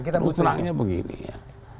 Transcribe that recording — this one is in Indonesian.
terus terangnya begini ya